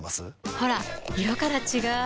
ほら色から違う！